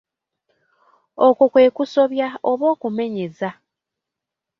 Okwo kwe kusoboya oba okumenyeza.